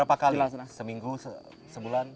berapa kali seminggu sembulan